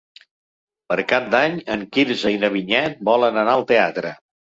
Per Cap d'Any en Quirze i na Vinyet volen anar al teatre.